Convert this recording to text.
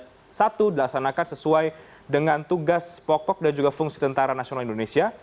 yang satu dilaksanakan sesuai dengan tugas pokok dan juga fungsi tentara nasional indonesia